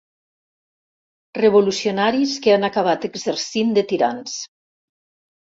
Revolucionaris que han acabat exercint de tirans.